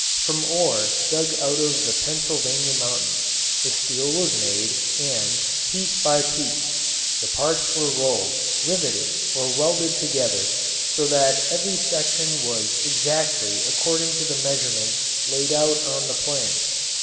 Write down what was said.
From ore dug out of the Pennsylvania mountains the steel was made and, piece by piece, the parts were rolled, riveted, or welded together so that every section was exactly according to the measurements laid out on the plan.